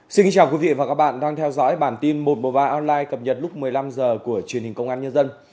xin kính chào quý vị và các bạn đang theo dõi bản tin một trăm một mươi ba online cập nhật lúc một mươi năm h của truyền hình công an nhân dân